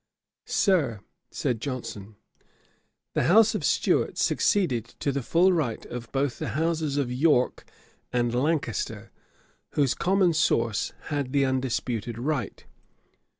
'Sir, (said Johnson,) the house of Stuart succeeded to the full right of both the houses of York and Lancaster, whose common source had the undisputed right.